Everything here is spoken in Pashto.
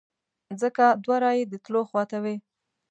ځکه دوه رایې د تلو خواته وې.